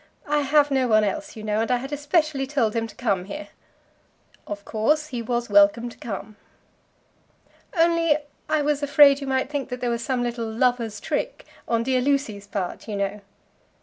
I have no one else, you know, and I had especially told him to come here." "Of course he was welcome to come." "Only I was afraid you might think that there was some little lover's trick, on dear Lucy's part, you know."